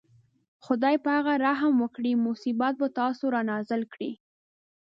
خدای په هغه رحم وکړي مصیبت په تاسې رانازل کړي.